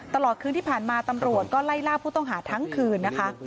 ตลอดคืนที่ผ่านมาตำรวจก็ไล่ล่าผู้ต้องหาทั้งคืนนะคะ